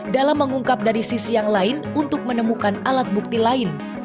dalam mengungkap dari sisi yang lain untuk menemukan alat bukti lain